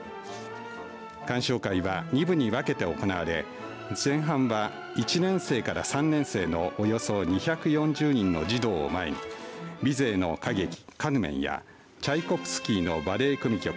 鑑賞会は、２部に分けて行われ前半は１年生から３年生のおよそ２４０人の児童を前にビゼーの歌劇カルメンやチャイコフスキーのバレエ組曲